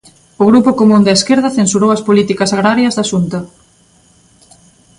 O Grupo Común da Esquerda censurou as políticas agrarias da Xunta.